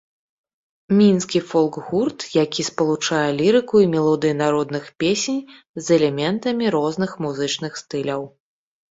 Мінскі фолк-гурт, які спалучае лірыку і мелодыі народных песень з элементамі розных музычных стыляў.